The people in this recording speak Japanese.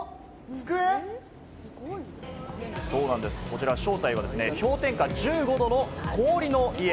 そうなんです、こちら正体は氷点下１５度の氷の家。